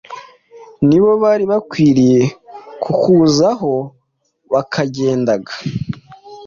ni bo bari bakwiriye kukuzaho, bakandega,